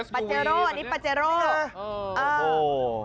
ปาเจโรคันอันนี้ปาเจโรคันอ่อ